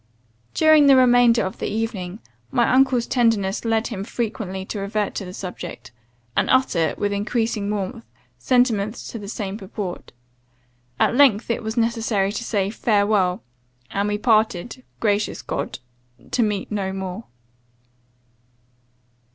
"During the remainder of the evening, my uncle's tenderness led him frequently to revert to the subject, and utter, with increasing warmth, sentiments to the same purport. At length it was necessary to say 'Farewell!' and we parted gracious God! to meet no more."